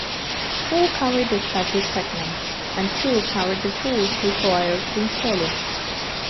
Four carried the statue segments, and two carried the tools required to install it.